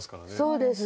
そうです。